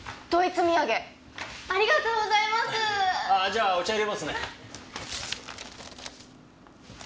じゃあお茶淹れますね。